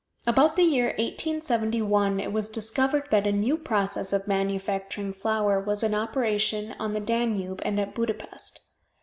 About the year 1871 it was discovered that a new process of manufacturing flour was in operation on the Danube and at Budapest.